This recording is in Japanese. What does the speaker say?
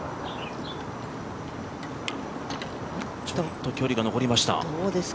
ちょっと距離が残りました。